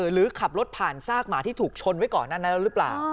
หรือขับรถผ่านซากหมาที่ถูกชนไว้ก่อนหน้านั้นแล้วหรือเปล่า